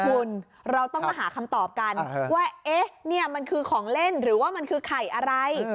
คุณเราต้องมาหาคำตอบกันว่าเอ๊ะเนี่ยมันคือของเล่นหรือว่ามันคือไข่อะไร